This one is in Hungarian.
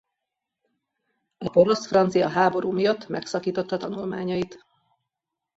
A porosz-francia háború miatt megszakította tanulmányait.